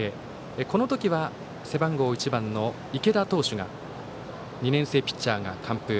この時は背番号１番の池田投手が２年生ピッチャーが完封。